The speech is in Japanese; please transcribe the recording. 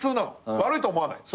悪いと思わない。